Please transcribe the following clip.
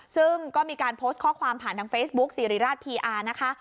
ซึ่งก็มีการโพสต์ข้อความผ่านทางเฟซบุ๊คสิริราชพีอาร์นะคะ